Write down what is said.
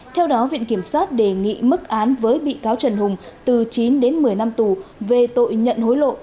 theo đó viện kiểm soát đề nghị mức án với bị cáo trần hùng từ chín đến một mươi năm tù về tội nhận hối lộ